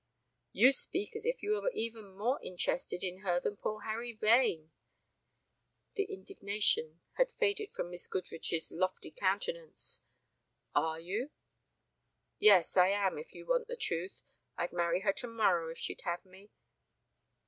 "You speak as if you were even more interested in her than poor Harry Vane." The indignation had faded from Miss Goodrich's lofty countenance. "Are you?" "Yes, I am, if you want the truth. I'd marry her tomorrow if she'd have me."